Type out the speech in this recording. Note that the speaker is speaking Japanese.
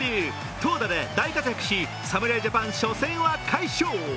投打で大活躍し侍ジャパン、初戦は快勝。